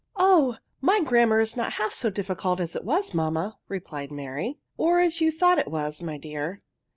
'^ Oh, my grammar is not half so difficult as it was, mamma,'* replied Mary. " Or as you thought it was, my dear.